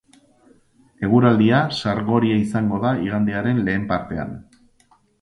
Eguraldia sargoria izango da igandearen lehen partean.